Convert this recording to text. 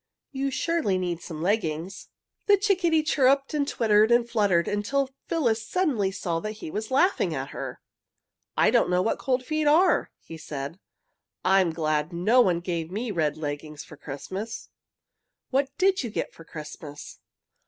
"You surely need some leggings." The chickadee chirruped and twittered and fluttered until Phyllis suddenly saw that he was laughing at her. "I don't know what cold feet are!" he said. "I'm glad no one gave me red leggings for Christmas." "What did you get for Christmas?"